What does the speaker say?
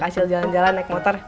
hasil jalan jalan naik motor